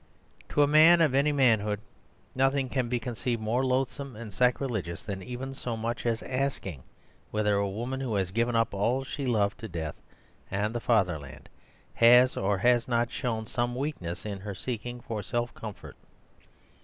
To a man of any manhood nothing can be conceived more loathsome and sacrilegious than even so much as asking whether a woman who has given up all she loved to death and the fatherland has or has not shown some weakness in her seeking for self comfort.